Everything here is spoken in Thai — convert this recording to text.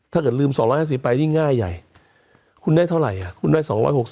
ถ้าเกิดลืม๒๕๐ไปนี่ง่ายใหญ่คุณได้เท่าไหร่คุณได้๒๖๐